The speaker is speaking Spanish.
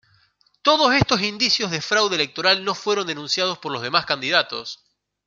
Todos estos indicios de fraude electoral no fueron denunciados por los demás candidatos.